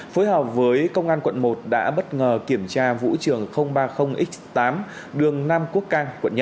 phối hợp với công an quận một đã bất ngờ kiểm tra vũ trường ba mươi x tám đường nam quốc cang quận một